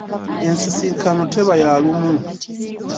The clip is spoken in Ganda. Ensisinkano teba ya lumu.